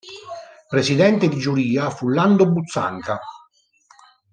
Presidente di giuria fu Lando Buzzanca.